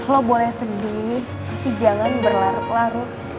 kalau boleh sedih tapi jangan berlarut larut